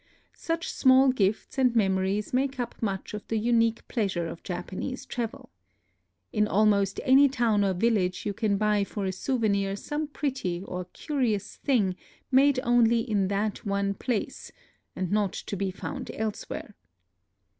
Such small gifts and memories make up much of the unique pleasure of Japanese travel. In almost any town or village you can buy for a souvenir some pretty or curious thing made only in that one place, and not to be found elsewhere.